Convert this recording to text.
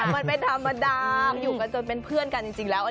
มันเป็นธรรมดาอยู่กันจนเป็นเพื่อนกันจริงแล้ว